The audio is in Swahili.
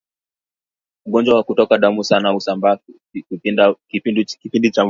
Ugonjwa wa kutoka damu sana husambaa kipindi cha mvua